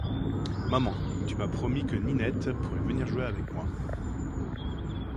Maman, tu m’as promis que Ninette pourrait venir jouer avec moi.